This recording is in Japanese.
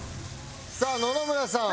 さあ野々村さん